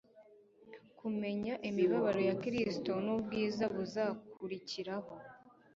kumenya imibabaro ya Kristo n'ubwiza buzakurikiraho.